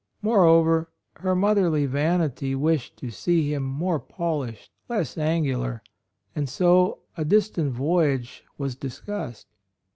Moreover, her motherly vanity wished to see him more polished, less angular; and so a distant voy age was discussed.